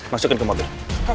masukin ke mobil